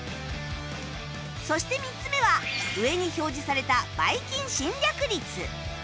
そして３つ目は上に表示されたバイキン侵略率